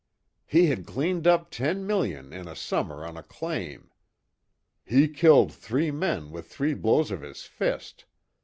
"He had cleaned up ten million in a summer on a claim." "He killed three men with three blows of his fist."